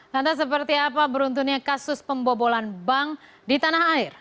lantas seperti apa beruntunnya kasus pembobolan bank di tanah air